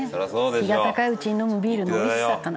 日が高いうちに飲むビールのおいしさかな」